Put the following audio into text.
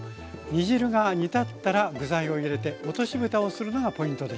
煮汁が煮立ったら具材を入れて落としぶたをするのがポイントでした。